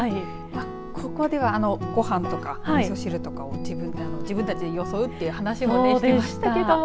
ここでは、ごはんとかみそ汁とかを自分たちでよそうという話もしていましたけども。